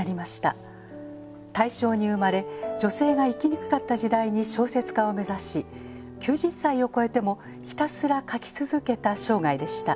大正に生まれ女性が生きにくかった時代に小説家を目指し９０歳を超えてもひたすら書き続けた生涯でした。